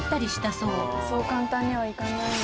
「そう簡単にはいかないんだ」